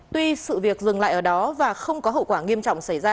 tuy sự việc dừng lại ở đó và không có hậu quả nghiêm trọng xảy ra